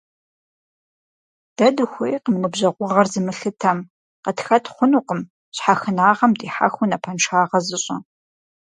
Дэ дыхуейкъым ныбжьэгъугъэр зымылъытэм, къытхэт хъунукъым щхьэхынагъэм дихьэхыу напэншагъэ зыщӀэ.